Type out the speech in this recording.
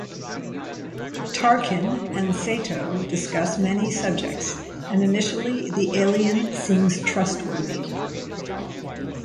Tarquin and Sato discuss many subjects and initially the alien seems trustworthy.